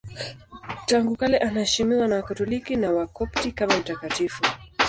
Tangu kale anaheshimiwa na Wakatoliki na Wakopti kama mtakatifu.